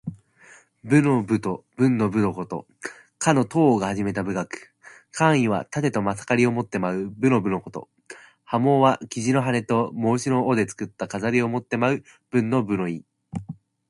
武の舞と文の舞のこと。夏の禹王が始めた舞楽。「干戚」はたてとまさかりを持って舞う、武の舞のこと。「羽旄」は雉の羽と旄牛の尾で作った飾りを持って舞う、文の舞の意。